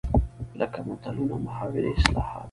لکه متلونه، محاورې ،اصطلاحات